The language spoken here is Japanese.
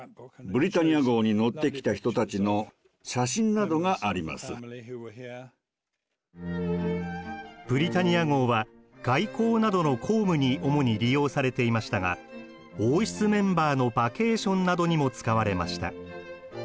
ブリタニア号は外交などの公務に主に利用されていましたが王室メンバーのバケーションなどにも使われました。